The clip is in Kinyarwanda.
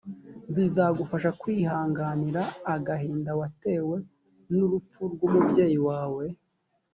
bizagufasha kwihanganira agahinda watewe n urupfu rw umubyeyi wawe